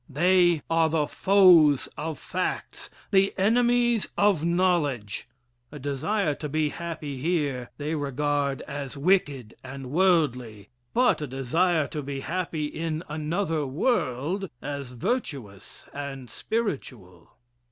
They are the foes of facts the enemies of knowledge. A desire to be happy here, they regard as wicked and worldly but a desire to be happy in another world, as virtuous and spiritual.